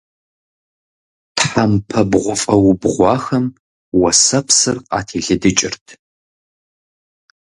Тхьэмпэ бгъуфӀэ убгъуахэм уэсэпсыр къателыдыкӀырт.